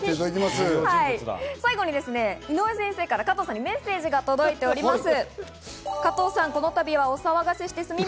最後に井上先生から加藤さんにメッセージが届いております。